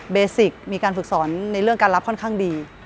เบสิกมีการฝึกสอนในเรื่องการรับค่อนข้างดี